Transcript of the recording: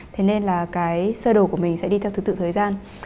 thế nên là cái shuttle của mình sẽ đi theo thứ tự thời gian